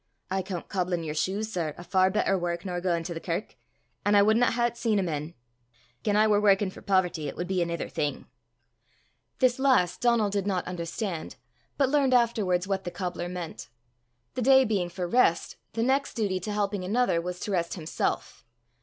I coont cobblin' your shoes, sir, a far better wark nor gaein' to the kirk, an' I wadna hae 't seen o' men. Gien I war warkin' for poverty, it wad be anither thing." This last Donal did not understand, but learned afterwards what the cobbler meant: the day being for rest, the next duty to helping another was to rest himself.